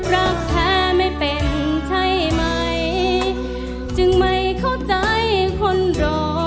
รักแท้ไม่เป็นใช่ไหมจึงไม่เข้าใจคนรอ